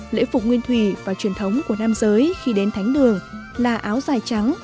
lễ phục nguyên thủy và truyền thống của nam giới khi đến thánh đường là áo dài trắng nón trắng và xà rông